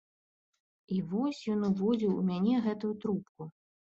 І вось ён уводзіў у мяне гэтую трубку.